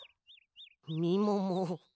みもも。